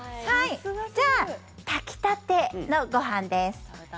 じゃあ、炊きたてのご飯です。